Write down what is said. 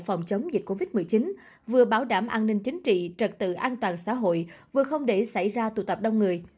phòng chống dịch covid một mươi chín vừa bảo đảm an ninh chính trị trật tự an toàn xã hội vừa không để xảy ra tụ tập đông người